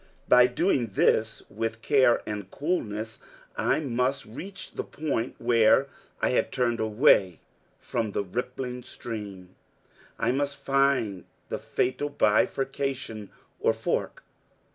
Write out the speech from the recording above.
By doing this with care and coolness, I must reach the point where I had turned away from the rippling stream. I must find the fatal bifurcation or fork.